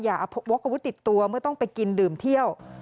วกอาวุธติดตัวเมื่อต้องไปกินดื่มเที่ยว